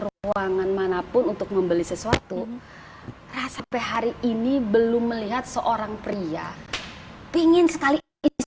ruangan manapun untuk membeli sesuatu sampai hari ini belum melihat seorang pria pingin sekali